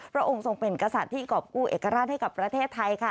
พระองค์ทรงเป็นกษัตริย์ที่กรอบกู้เอกราชให้กับประเทศไทยค่ะ